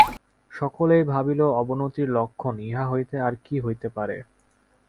সকলেই ভাবিল, অবনতির লক্ষণ ইহা হইতে আর কী হইতে পারে!